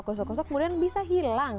gosok gosok kemudian bisa hilang